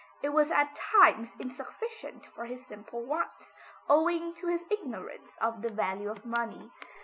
It was at times insufficient for his simple wants, owing to his ignorance of the value of money.